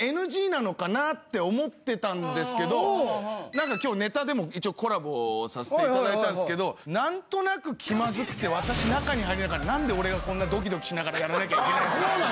何か今日ネタでも一応コラボさせていただいたんすけど何となく気まずくて私中に入りながら何で俺がこんなドキドキしながらやらなきゃいけないのかな。